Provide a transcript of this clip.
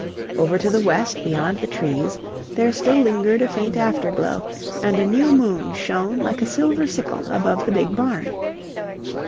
Over to the west beyond the trees there still lingered a faint afterglow, and a new moon shone like a silver sickle above the big barn.